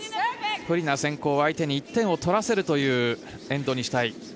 不利な先攻は相手に１点を取らせるというエンドにしたい